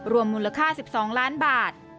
มูลค่า๑๒ล้านบาท